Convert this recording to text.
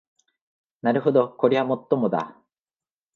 なるほどこりゃもっともだ